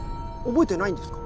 覚えてないんですか？